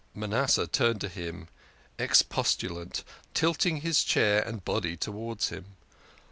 Manasseh turned to him, expostulant, tilting his chair and body towards him.